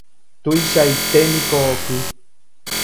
tuichaiténiko oky